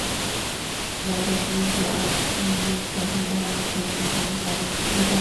بال tampering کیساے پی یو کا سزا میں کمی کامطالبہ